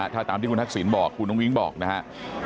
ถ้าตามที่คุณทักษิณบอกคุณอุ้งบอกนะครับ